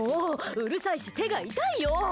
うるさいし手が痛いよ！